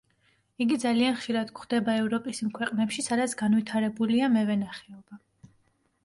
იგი ძალიან ხშირად გვხვდება ევროპის იმ ქვეყნებში, სადაც განვითარებულია მევენახეობა.